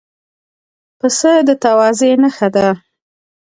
پسه د تواضع نښه ده.